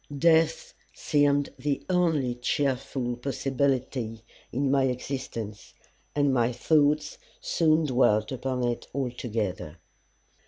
Death seemed the only cheerful possibility in my existence, and my thoughts soon dwelt upon it altogether.